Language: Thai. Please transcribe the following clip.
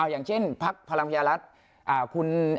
อย่างเช่นพรรณพญาลัศน์